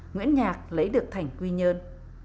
nguyễn nhạc lấy được thành quy nhân